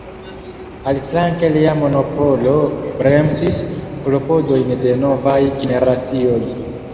Aliflanke lia monopolo bremsis klopodojn de novaj generacioj.